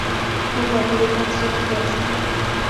Oberliga Südwest.